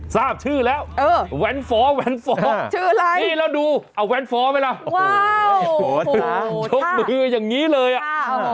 ทราบชื่อแล้วแหวนฟ้อนี่แล้วดูเอาแหวนฟ้อไหมล่ะชกมืออย่างนี้เลยอะ